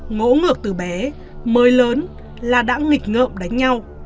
ngỗ ngược từ bé mới lớn là đã nghịch ngợm đánh nhau